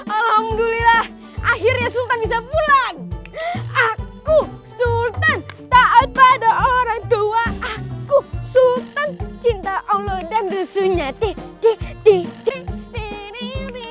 alhamdulillah akhirnya sultan bisa pulang aku sultan tak ada orang doa aku sultan cinta